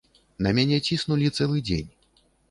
На мяне ціснулі цэлы дзень.